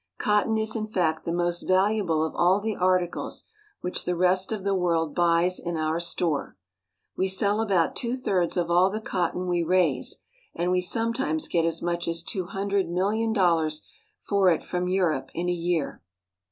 Cotton is, in fact, the most valuable of all the articles which the rest of the world buys in our store. We sell about two thirds of all the cotton we raise, and we sometimes get as much as two hundred million dollars for it from Europe in a year.